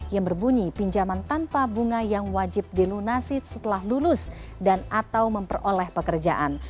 yang berbunyi pinjaman tanpa bunga yang wajib dilunasi setelah lulus dan atau memperoleh pekerjaan